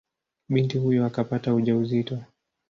Binti huyo akapata ujauzito.